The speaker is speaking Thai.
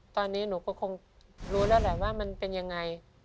ตอนนี้หนูก็คงรู้แล้วแหละว่ามันเป็นยังไง